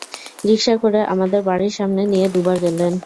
রিকশা করে আমাদের বাড়ির সামনে দিয়ে দু বার গেলেন।